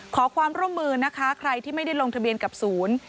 ขอความร่วมมือนะคะใครที่ไม่ได้ลงทะเบียนกับศูนย์